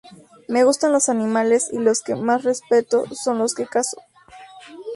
Me gustan los animales y los que más respeto son los que cazo.